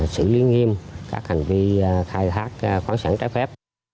xử lý nghiêm các hành vi khai thác khoáng sản trái phép